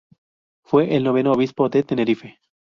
Fue el noveno obispo de Tenerife.